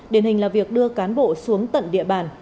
điển hình là việc đưa cán bộ xuống tận địa bàn